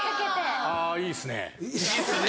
あぁいいですね。